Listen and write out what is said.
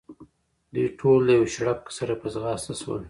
دوی ټول د یوه شړک سره په ځغاسته شول.